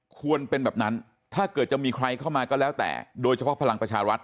ควรเป็นแบบนั้นถ้าเกิดจะมีใครเข้ามาก็แล้วแต่โดยเฉพาะพลังประชารัฐ